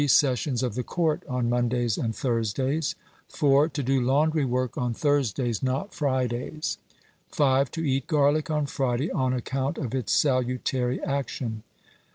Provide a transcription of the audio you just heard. Sessions of the court on Mondays and Thursdays. 4. To do laundry work on Thursdays, not Fridays. 5. To eat garlic on Friday on account of its salutary action.